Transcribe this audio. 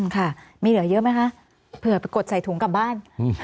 ค่ะมีเหลือเยอะไหมคะเผื่อไปกดใส่ถุงกลับบ้าน